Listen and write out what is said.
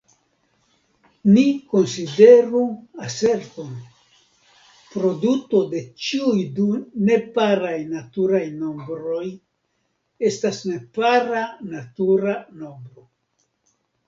Ni konsideru aserton: "Produto de ĉiuj du neparaj naturaj nombroj estas nepara natura nombro.